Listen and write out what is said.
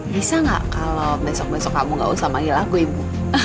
bisa nggak kalau besok besok kamu gak usah manggil lagu ibu